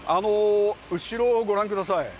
後ろをご覧ください。